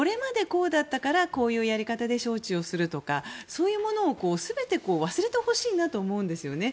こうだったからこういうやり方で招致をするとかそういうものを全て忘れてほしいなと思うんですよね。